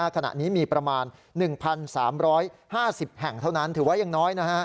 ขณะนี้มีประมาณ๑๓๕๐แห่งเท่านั้นถือว่ายังน้อย